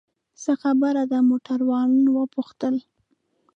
څه خبره ده؟ موټروان وپوښتل.